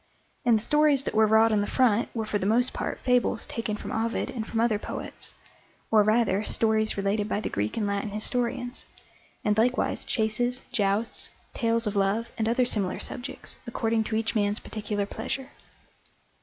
And the stories that were wrought on the front were for the most part fables taken from Ovid and from other poets, or rather, stories related by the Greek and Latin historians, and likewise chases, jousts, tales of love, and other similar subjects, according to each man's particular pleasure.